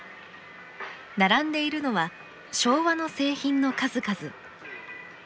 並んでいるのは昭和の製品の数々。